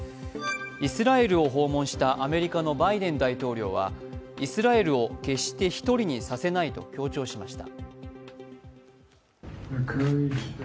イスラエルを訪問したアメリカのバイデン大統領は、イスラエルを決して一人にさせないと強調しました。